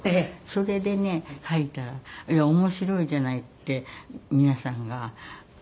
それでね書いたら面白いじゃないって皆さんが。